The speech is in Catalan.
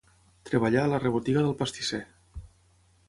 Treballar a la rebotiga del pastisser.